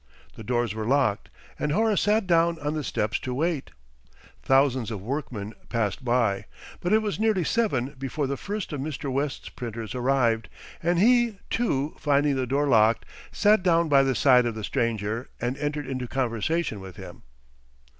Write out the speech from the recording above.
The doors were locked, and Horace sat down on the steps to wait. Thousands of workmen passed by; but it was nearly seven before the first of Mr. West's printers arrived, and he, too, finding the door locked, sat down by the side of the stranger, and entered into conversation with him.